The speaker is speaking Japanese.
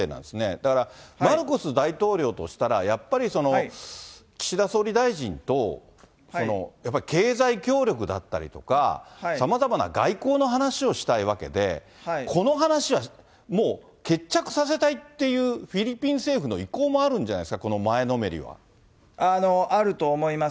だから、マルコス大統領としたら、やっぱり、岸田総理大臣と、やっぱり経済協力だったりとか、さまざまな外交の話をしたいわけで、この話はもう、決着させたいっていうフィリピン政府の意向もあるんじゃないですあると思います。